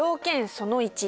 その１。